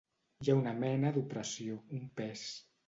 Hi ha una mena d'opressió, un pes.